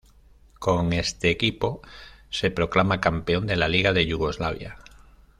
Con este equipo se proclama campeón de la Liga de Yugoslavia.